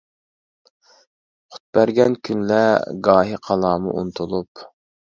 قۇت بەرگەن كۈنلەر، گاھى قالارمۇ ئۇنتۇلۇپ.